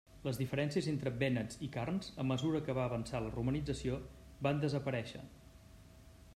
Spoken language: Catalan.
Les diferències entre vènets i carns, a mesura que va avançar la romanització, van desaparèixer.